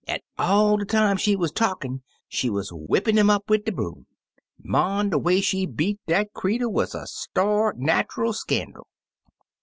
An' all de time she wuz talkin' she wuz wipin' 'im up wid de broom. Mon, de way she beat dat cree tur wuz a start natchul scandal.